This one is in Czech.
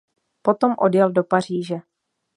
Potom odjel do Paříže.